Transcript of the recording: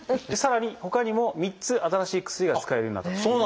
さらにほかにも３つ新しい薬が使えるように。